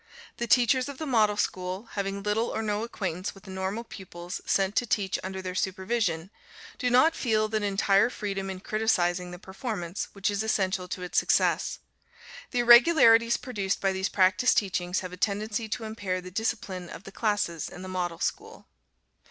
The teachers of the Model School, having little or no acquaintance with the Normal pupils sent to teach under their supervision, do not feel that entire freedom in criticising the performance which is essential to its success. The irregularities produced by these practice teachings have a tendency to impair the discipline of the classes in the Model School.